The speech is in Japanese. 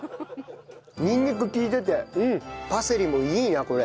にんにく利いててパセリもいいなこれ。